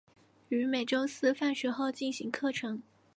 于每周四放学后进行课程。